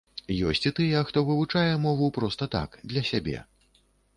Ёсць і тыя, хто вывучае мову проста так, для сябе.